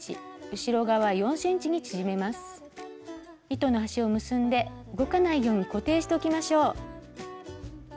糸の端を結んで動かないように固定しておきましょう。